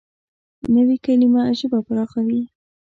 نوې کلیمه ژبه پراخوي